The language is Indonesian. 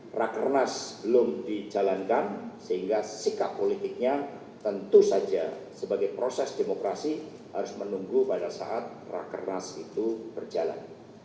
rakernas belum dijalankan sehingga sikap politiknya tentu saja sebagai proses demokrasi harus menunggu pada saat rakernas itu berjalan